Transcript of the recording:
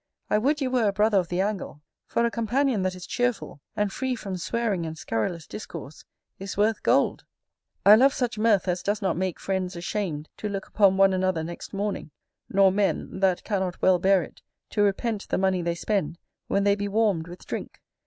I would you were a brother of the angle; for a companion that is cheerful, and free from swearing and scurrilous discourse, is worth gold. I love such mirth as does not make friends ashamed to look upon one another next morning; nor men, that cannot well bear it, to repent the money they spend when they be warmed with drink.